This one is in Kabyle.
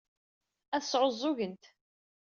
Ad sɛuẓẓgent.